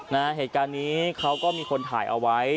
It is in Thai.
นะฮะเหตุการณ์นี้เขาก็มีคนถ่ายเอาไว้